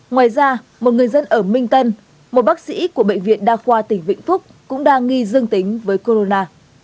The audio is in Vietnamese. ngoài ra một người dân ở minh tân một bác sĩ của bệnh viện đa khoa tỉnh vĩnh phúc cũng đang nghi dương tính với corona